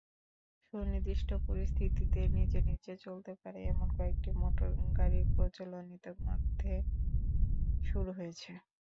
সুনির্দিষ্ট পরিস্থিতিতে নিজে নিজে চলতে পারে এমন কয়েকটি মোটরগাড়ির প্রচলন ইতিমধ্যে শুরু হয়েছে।